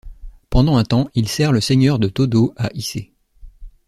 Pendant un temps, il sert le seigneur de Tôdô à Ise.